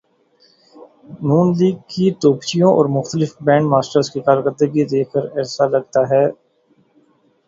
ن لیگ کے توپچیوں اور مختلف بینڈ ماسٹرز کی کارکردگی دیکھ کر ایسا لگتا ہے۔